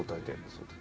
その時。